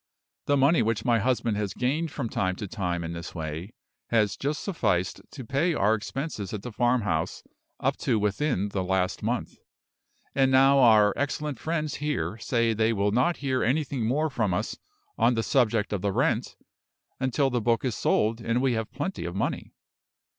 The money which my husband has gained from time to time in this way has just sufficed to pay our expenses at the farmhouse up to within the last month; and now our excellent friends here say they will not hear anything more from us on the subject of the rent until the book is sold and we have plenty of money.